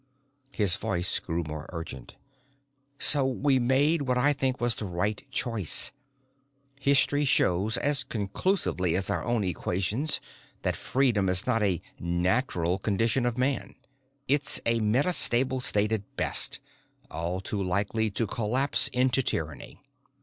His voice grew more urgent. "So we made what I think was the right choice. History shows as conclusively as our own equations that freedom is not a 'natural' condition of man. It's a metastable state at best, all too likely to collapse into tyranny.